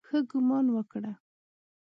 ښه ګومان وکړه.